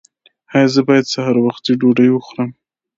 ایا زه باید سهار وختي ډوډۍ وخورم؟